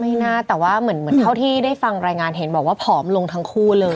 น่าแต่ว่าเหมือนเท่าที่ได้ฟังรายงานเห็นบอกว่าผอมลงทั้งคู่เลย